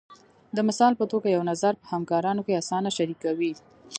د مثال په توګه یو نظر په همکارانو کې اسانه شریکوئ.